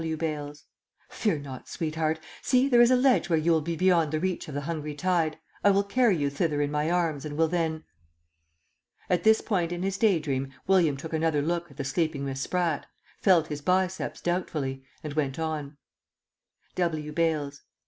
W. Bales. Fear not, sweetheart. See, there is a ledge where you will be beyond the reach of the hungry tide. I will carry you thither in my arms and will then At this point in his day dream William took another look at the sleeping Miss Spratt, felt his biceps doubtfully, and went on _W. Bales.